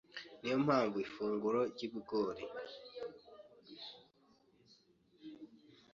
Niyo mpamvu ifunguro ry’ibigori